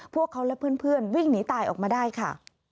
พวกเขาและเพื่อนวิ่งหนีตายออกมาได้ค่ะ